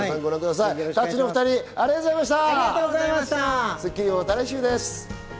ザ・たっちのお２人、ありがとうございました。